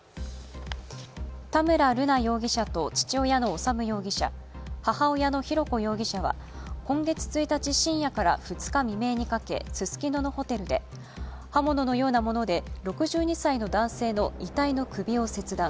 田村瑠奈容疑者と父親の修容疑者、母親の浩子容疑者は今月１日深夜から２日未明にかけススキノのホテルで、刃物のようなもので６２歳の男性の遺体の首を切断。